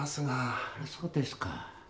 あっそうですか。